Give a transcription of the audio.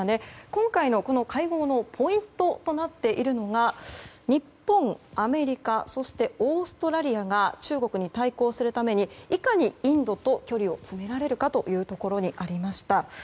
今回のこの会合のポイントとなっているのが日本、アメリカそしてオーストラリアが中国に対抗するためにいかにインドと距離を詰められるかというところにありました。